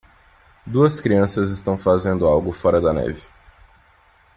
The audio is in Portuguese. Duas crianças estão fazendo algo fora da neve.